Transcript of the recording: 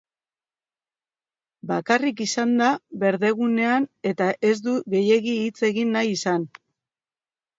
Bakarrik izan da berdegunean eta ez du gehiegi hitz egin nahi izan.